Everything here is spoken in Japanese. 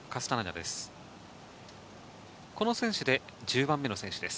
この選手で１０番目の選手です。